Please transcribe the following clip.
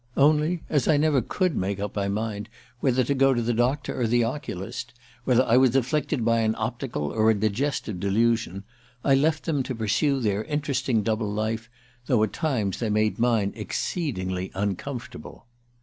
Only, as I never could make up my mind whether to go to the doctor or the oculist whether I was afflicted by an optical or a digestive delusion I left them to pursue their interesting double life, though at times they made mine exceedingly comfortable